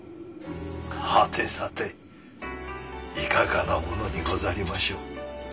はてさていかがなものにござりましょう。